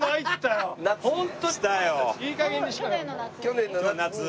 去年の夏に？